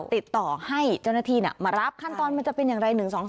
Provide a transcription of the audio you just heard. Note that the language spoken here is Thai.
ติดต่อให้เจ้าหน้าที่มารับขั้นตอนมันจะเป็นอย่างไร๑๒๒